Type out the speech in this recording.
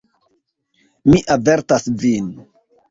Mi avertas vin.